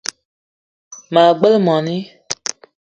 Maa gbele moni